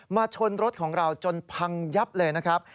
ชนรถของเราจนพังยับเลยนะครับ